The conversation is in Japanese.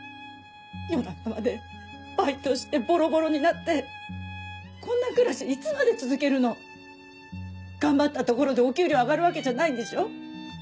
夜中までバイトしてボロボロになってこんな暮らしいつまで続けるの頑張ったところでお給料上がるわけじゃないんでしょ？